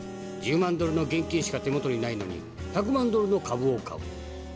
１０万ドルの現金しか手元にないのに１００万ドルの株を買う。